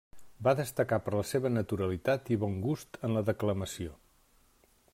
Va destacar per la seva naturalitat i bon gust en la declamació.